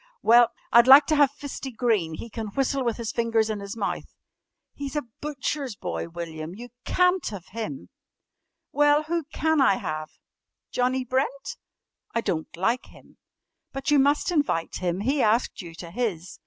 "Well, I'd like to have Fisty Green. He can whistle with his fingers in his mouth." "He's a butcher's boy, William! You can't have him?" "Well, who can I have?" "Johnnie Brent?" "I don't like him." "But you must invite him. He asked you to his."